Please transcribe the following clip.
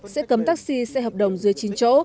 sẽ cấm taxi xe hợp đồng dưới chín chỗ